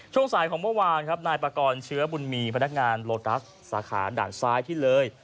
ช่วงสายของเมื่อวานครับนายปากรเชื้อบุญมีพนักงานโลตัสสาขาด่านซ้ายที่เลย